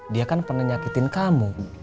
dia kan pernah nyakitin kamu